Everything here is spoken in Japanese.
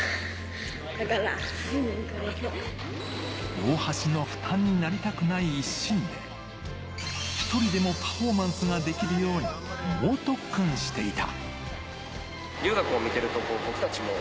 大橋の負担になりたくない一心で、一人でもパフォーマンスができるように猛特訓していた。